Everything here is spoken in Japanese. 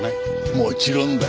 もちろんだよ。